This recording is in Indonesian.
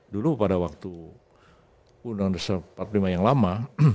dulu pada waktu undang undang seribu sembilan ratus empat puluh lima yang lama